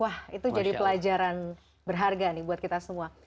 wah itu jadi pelajaran berharga nih buat kita semua